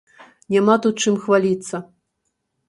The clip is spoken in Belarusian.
Няма тут чым хваліцца.